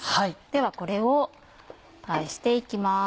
ではこれを返して行きます。